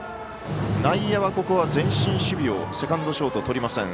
内野はここは前進守備をセカンド、ショートとりません。